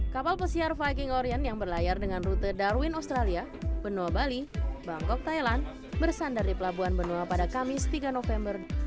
kapal pesiar viking orient yang berlayar dengan rute darwin australia benoa bali bangkok thailand bersandar di pelabuhan benoa pada kamis tiga november